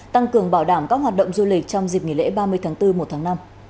tăng cường bảo đảm các hoạt động du lịch trong dịp nghỉ lễ ba mươi tháng bốn một tháng năm